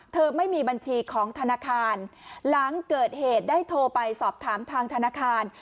ไม่มีบัญชีของธนาคารหลังเกิดเหตุได้โทรไปสอบถามทางธนาคาร